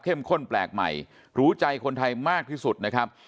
ข้นแปลกใหม่รู้ใจคนไทยมากที่สุดนะครับ